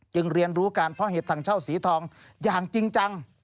เรียนรู้การเพาะเห็ดถังเช่าสีทองอย่างจริงจัง